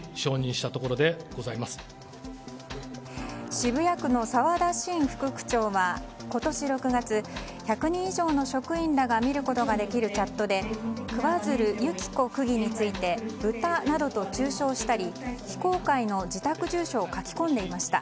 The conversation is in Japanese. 渋谷区の沢田伸副区長は今年６月１００人以上の職員らが見ることができるチャットで桑水流弓紀子区議についてブタなどを中傷したり非公開の自宅住所を書き込んでいました。